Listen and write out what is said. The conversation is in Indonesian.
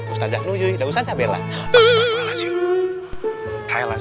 ustazah nuyuy dan ustazah bella